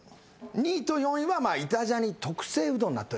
２位と４位は『イタ×ジャニ』特製うどんになっておりますので。